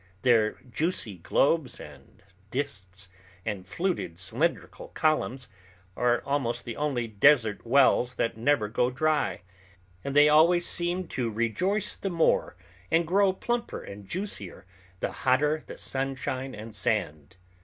Their juicy globes and disks and fluted cylindrical columns are almost the only desert wells that never go dry, and they always seem to rejoice the more and grow plumper and juicier the hotter the sunshine and sand.